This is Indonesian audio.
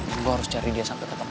yang gue harus cari dia sampai ketemu